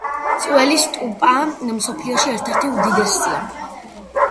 ძველი სტუპა მსოფლიოში ერთ-ერთი უდიდესია.